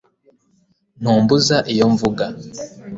Ntumbuza iyo mvuga